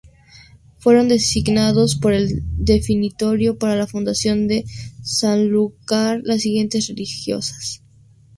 Fueron designadas por el Definitorio para la fundación de Sanlúcar las siguientes religiosas.